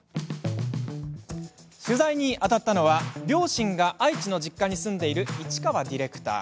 取材にあたったのは両親が愛知の実家に住んでいる市川ディレクター。